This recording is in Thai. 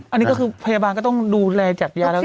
อันนี้ก็คือพยาบาลก็ต้องดูแลจัดยาแล้ว